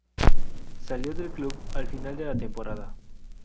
Salió del club al final de la temporada.